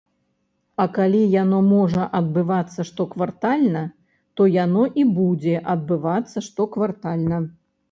А калі яно можа адбывацца штоквартальна, то яно і будзе адбывацца штоквартальна.